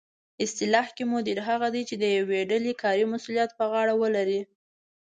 اصطلاح کې مدیر هغه دی چې د یوې ډلې کاري مسؤلیت په غاړه ولري